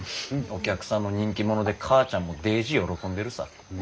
お客さんの人気者で母ちゃんもデージ喜んでるさ。